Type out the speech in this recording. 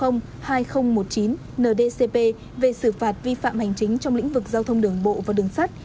nghị định một triệu hai nghìn một mươi chín ndcp về xử phạt vi phạm hành chính trong lĩnh vực giao thông đường bộ và đường sắt